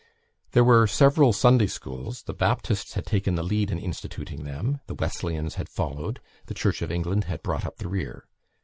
There were several Sunday schools; the Baptists had taken the lead in instituting them, the Wesleyans had followed, the Church of England had brought up the rear.